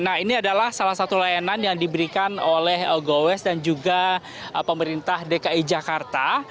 nah ini adalah salah satu layanan yang diberikan oleh gowes dan juga pemerintah dki jakarta